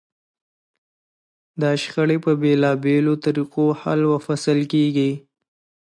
دا شخړې په بېلابېلو طریقو حل و فصل کېږي.